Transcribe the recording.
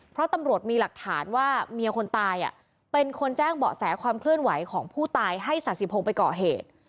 เพราะตำรวจมีหลักฐานว่าเมียคนตายเป็นคนแจ้งเบาะแสความเคลื่อนไหวของผู้ตายให้ศาสิพงศ์ไปก่อเหตุ